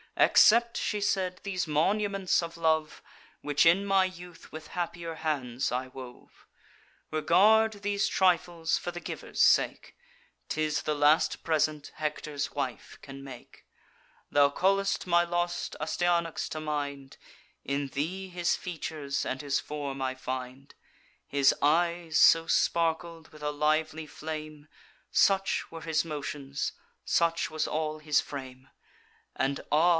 'Accept,' she said, 'these monuments of love, Which in my youth with happier hands I wove: Regard these trifles for the giver's sake; 'Tis the last present Hector's wife can make. Thou call'st my lost Astyanax to mind; In thee his features and his form I find: His eyes so sparkled with a lively flame; Such were his motions; such was all his frame; And ah!